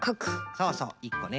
そうそう１こね。